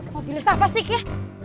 mobilnya sama sih kakek